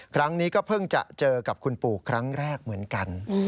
ครั้งนี้ก็เพิ่งจะเจอกับคุณปู่ครั้งแรกเหมือนกัน